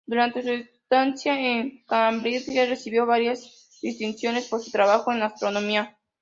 Durante su estancia en Cambridge recibió varias distinciones por su trabajo en astronomía.